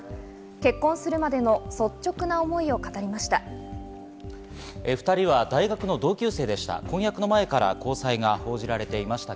結婚するまでの率直な思いを語りました。